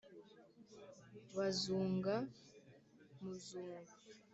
bazunga muzunga